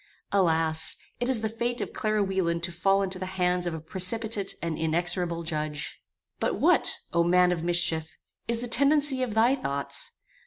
Alas! it is the fate of Clara Wieland to fall into the hands of a precipitate and inexorable judge. But what, O man of mischief! is the tendency of thy thoughts?